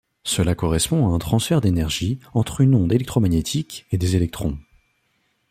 Cela correspond à un transfert d'énergie entre une onde électromagnétique et des électrons.